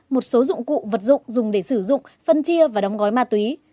một số dụng cụ vật dụng dùng để sử dụng phân chia và đóng gói ma túy